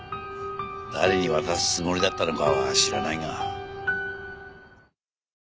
誰に渡すつもりだったのかは知らないが。